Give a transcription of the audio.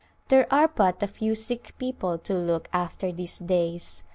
There are but few sick people to look after these days.